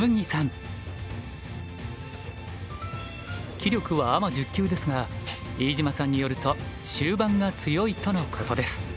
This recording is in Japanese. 棋力はアマ１０級ですが飯島さんによると終盤が強いとのことです。